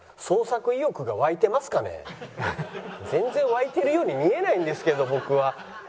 全然湧いてるように見えないんですけど僕は。